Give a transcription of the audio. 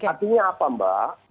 artinya apa mbak